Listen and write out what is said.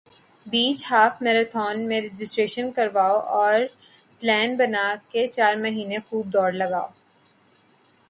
بیچ half marathon میں registration کروال اور پلان بن کہہ چارہ مہین خوب دوڑ لگ گے